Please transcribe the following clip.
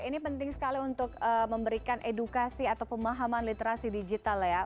ini penting sekali untuk memberikan edukasi atau pemahaman literasi digital ya